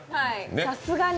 さすがに。